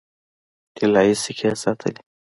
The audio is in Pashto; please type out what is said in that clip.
طلايي سکې ساتلې.